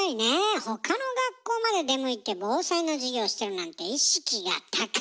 ほかの学校まで出向いて防災の授業してるなんて意識が高い！